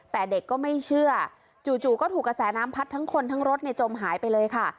แต่เด็กก็ไม่เชื่อจู่ก็ถูกกระแสน้ำพัดทั้งคนทั้งรถในจมหายไปเลยค่ะ